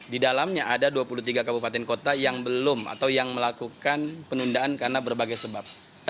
di dalamnya ada dua puluh tiga kabupaten kota yang belum atau yang melakukan penundaan karena berbagai sebab